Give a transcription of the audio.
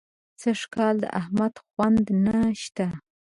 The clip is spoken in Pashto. سږکال د احمد خونده نه شته.